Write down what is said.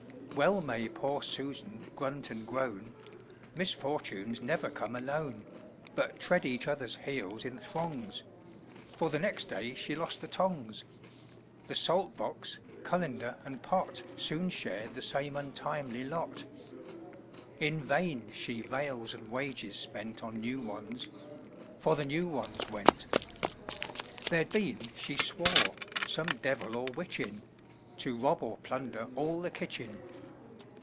Well may poor Susan grunt and groan; Misfortunes never come alone, But tread each other's heels in throngs, For the next day she lost the tongs; The salt box, colander, and pot Soon shar'd the same untimely lot. In vain she vails and wages spent On new ones for the new ones went. There'd been (she swore) some dev'l or witch in, To rob or plunder all the kitchen.